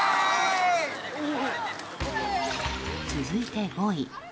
続いて５位。